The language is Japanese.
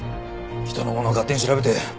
人のものを勝手に調べて。